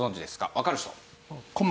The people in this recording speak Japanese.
わかる人。